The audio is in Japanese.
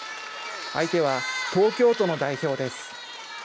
相手は東京都の代表です。